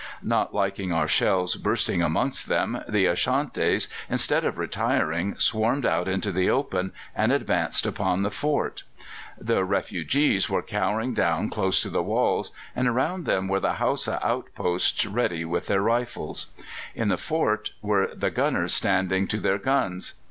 Not liking our shells bursting amongst them, the Ashantis, instead of retiring, swarmed out into the open, and advanced upon the fort. The refugees were cowering down close to the walls, and around them were the Hausa outposts ready with their rifles. In the fort were the gunners standing to their guns.